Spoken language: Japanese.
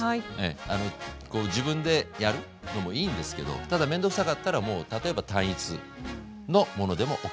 あのこう自分でやるのもいいんですけどただ面倒くさかったらもう例えば単一のものでもＯＫ。